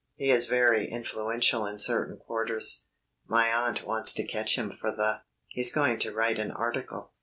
He is very influential in certain quarters. My aunt wants to catch him for the He's going to write an article."